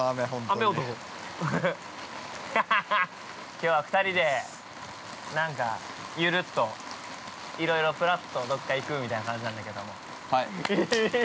きょうは２人で、なんかゆるっといろいろぷらっとどこか行くみたいな感じなんだけども。